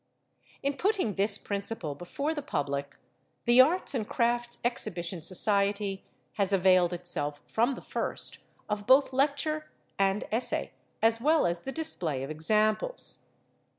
In putting this principle before the public, the Arts and Crafts Exhibition Society has availed itself from the first of both lecture and essay, as well as the display of examples.